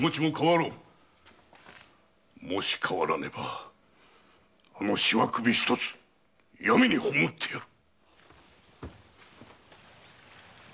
もし変わらねばあの皺首ひとつ闇に葬ってやる！